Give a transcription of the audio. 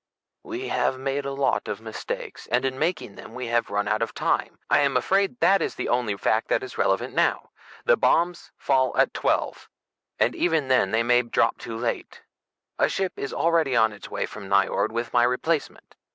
We have made a lot of mistakes, and in making them we have run out of time. I'm afraid that is the only fact that is relevant now. The bombs fall at twelve, and even then they may drop too late. A ship is already on its way from Nyjord with my replacement.